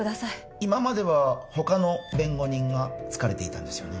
今までは他の弁護人が付かれていたんですよね